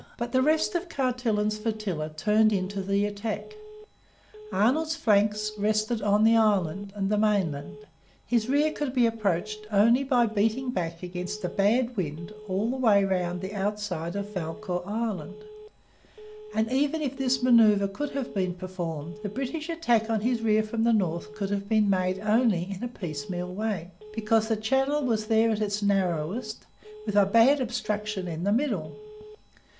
But the rest of Carleton's flotilla turned in to the attack. Arnold's flanks rested on the island and the mainland. His rear could be approached only by beating back against a bad wind all the way round the outside of Valcour Island; and, even if this manoeuvre could have been performed, the British attack on his rear from the north could have been made only in a piecemeal way, because the channel was there at its narrowest, with a bad obstruction in the middle.